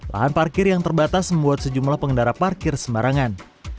lahan parkir yang terbatas membuat sejumlah pengendara parkir sembarangan